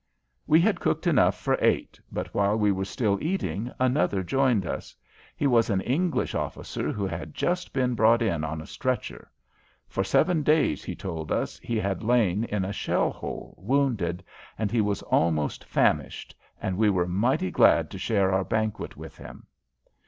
We had cooked enough for eight, but while we were still eating another joined us. He was an English officer who had just been brought in on a stretcher. For seven days, he told us, he had lain in a shell hole, wounded, and he was almost famished, and we were mighty glad to share our banquet with him.